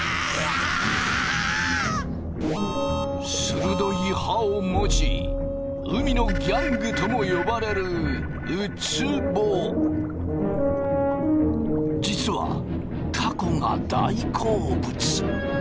鋭い歯を持ち海のギャングとも呼ばれる実はたこが大好物。